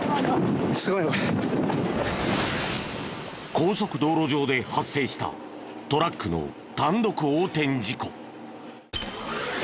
高速道路上で発生したトラックの単独横転事故。